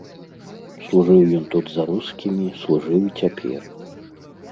Служыў ён тут за рускімі, служыў і цяпер.